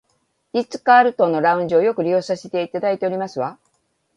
リッツカールトンのラウンジをよく利用させていただいておりますわ